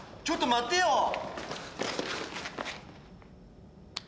ちょっと待ってよ！